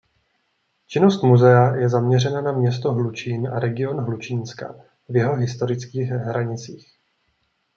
Činnost muzea je zaměřena na město Hlučín a region Hlučínska v jeho historických hranicích.